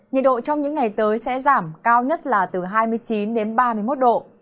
nhiệt độ trong những ngày tới sẽ giảm cao nhất là từ hai mươi chín đến ba mươi một độ